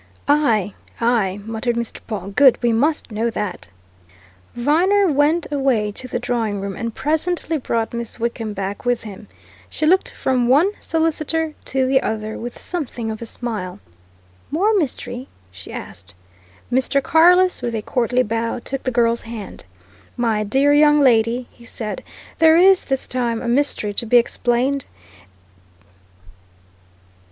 "Aye, aye!" muttered Mr. Pawle. "Good we must know that!" Viner went away to the drawing room and presently brought Miss Wickham back with him. She looked from one solicitor to the other with something of a smile. "More mystery?" she asked. Mr. Carless, with a courtly bow, took the girl's hand. "My dear young lady," he said, "there is, this time, a mystery to be explained.